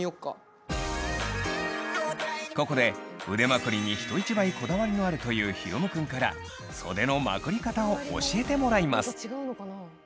ここで腕まくりに人一倍こだわりのあるというヒロムくんから袖のまくり方を教えてもらいます。